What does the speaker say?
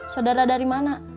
saudara dari mana